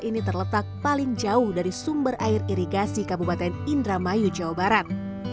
air ini terletak paling jauh dari sumber air irigasi kabupaten indramayu jawa barat